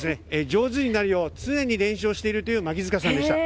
上手になるよう常に練習しているという槇塚さんでした。